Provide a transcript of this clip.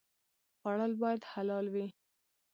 خوړل باید حلال وي